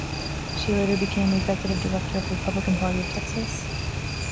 She later became executive director of the Republican Party of Texas.